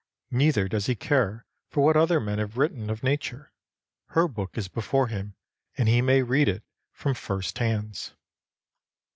Neither does he care for what other men have written of nature. Her book is before him and he may read it from first hands.